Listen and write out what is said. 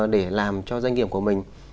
để làm cho doanh nghiệp của mình